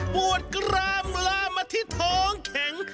ปวดกรามลามาที่ท้องแข็ง